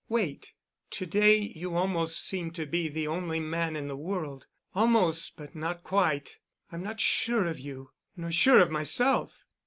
"Wait. To day you almost seem to be the only man in the world—almost, but not quite. I'm not sure of you—nor sure of myself.